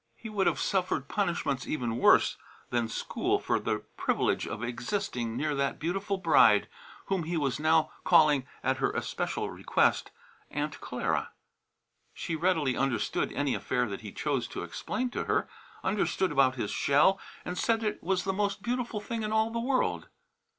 He would have suffered punishments even worse than school for the privilege of existing near that beautiful bride, whom he was now calling, at her especial request, "Aunt Clara." She readily understood any affair that he chose to explain to her; understood about his shell and said it was the most beautiful thing in all the world.